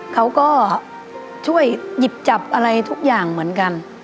เขาก็ช่วยหยิบจับอะไรทุกอย่างเหมือนกัน